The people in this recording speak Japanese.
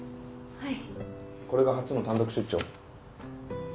はい